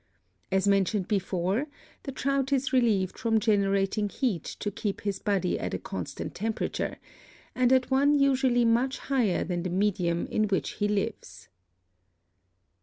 As mentioned before, the trout is relieved from generating heat to keep his body at a constant temperature, and at one usually much higher than the medium in which he lives.